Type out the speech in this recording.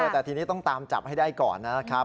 แต่ทีนี้ต้องตามจับให้ได้ก่อนนะครับ